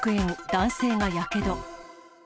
男性がやけど。